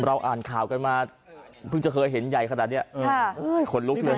อ่านข่าวกันมาเพิ่งจะเคยเห็นใหญ่ขนาดนี้ขนลุกเลย